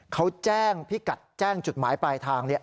เขาแจ้งพิกัดแจ้งจุดหมายปลายทาง